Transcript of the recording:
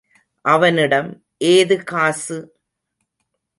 அவனிடம் ஏது காசு!